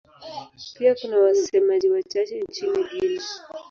Pia kuna wasemaji wachache nchini Guinea.